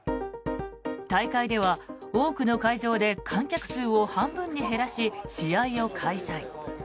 大会では、多くの会場で観客数を半分に減らし試合を開催。